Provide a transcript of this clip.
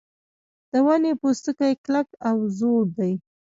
د ونې پوستکی کلک او زوړ دی.